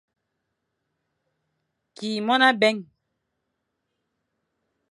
Ki mon abé.